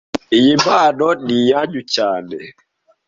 Iyi mpano ni iyanyu cyane